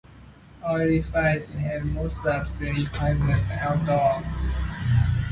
Oil refineries have most of their equipment outdoors.